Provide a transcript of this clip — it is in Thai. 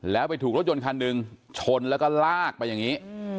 แล้วไปถูกรถยนต์คันหนึ่งชนแล้วก็ลากไปอย่างนี้